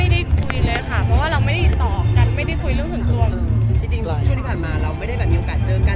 ที่จริงช่วงที่ผ่านมาเราไม่ได้มีโอกาสเจอกัน